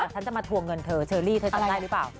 ฉันจะมาทวงเงินเธอเชอรี่เธอจำได้หรือเปล่า